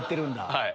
はい。